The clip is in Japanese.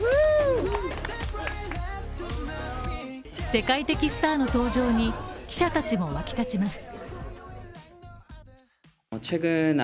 世界的スターの登場に、記者たちも沸き立ちます。